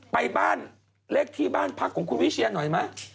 ไปบ้านเลขที่บ้านพักของคุณวิเชียหน่อยไหม